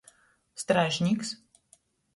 Stražniks.